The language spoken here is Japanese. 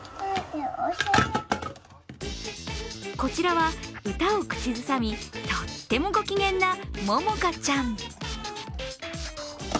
こちらは歌を口ずさみとってもご機嫌な、ももかちゃん。